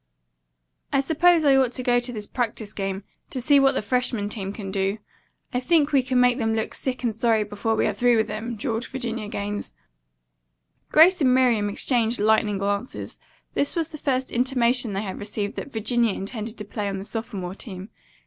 "I suppose I ought to go to this practice game, to see what the freshmen team can do. I think we can make them look sick and sorry before we are through with them," drawled Virginia Gaines. Grace and Miriam exchanged lightning glances. This was the first intimation they had received that Virginia intended to play on the sophomore team.